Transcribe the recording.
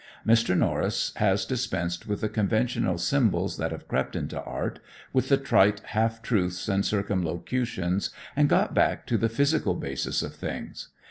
Mr. Norris has dispensed with the conventional symbols that have crept into art, with the trite, half truths and circumlocutions, and got back to the physical basis of things.